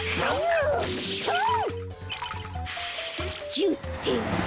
１０てん。